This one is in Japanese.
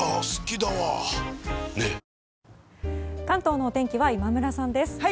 関東のお天気は今村さんです。